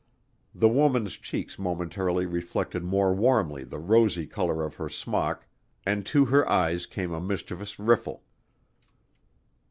The woman's cheeks momentarily reflected more warmly the rosy color of her smock and to her eyes came a mischievous riffle.